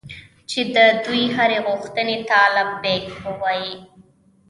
چې د دوی هرې غوښتنې ته لبیک ووایي.